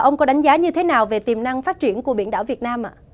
ông có đánh giá như thế nào về tiềm năng phát triển của biển đảo việt nam ạ